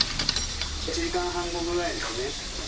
１時間半後ぐらいですね。